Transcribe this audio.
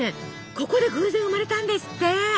ここで偶然生まれたんですって！